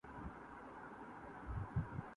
بہ قدرِ فہم ہے اگر کیمیا کہیں اُس کو